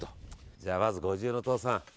じゃあまず五重塔さん